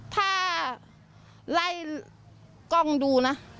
ถ้าไล่กล้องดูนะ